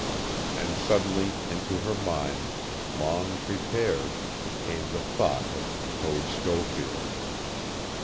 And suddenly into her mind, long prepared, came the thought of Code Schofield.